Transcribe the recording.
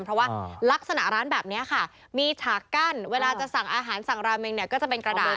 เพราะว่าลักษณะร้านแบบนี้ค่ะมีฉากกั้นเวลาจะสั่งอาหารสั่งราเมงเนี่ยก็จะเป็นกระดาษ